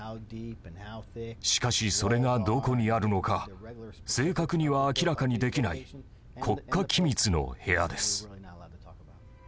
しかしそれがどこにあるのか正確には明らかにできない国家機密の部屋です。